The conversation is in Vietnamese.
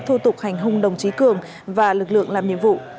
thủ tục hành hung đồng chí cường và lực lượng làm nhiệm vụ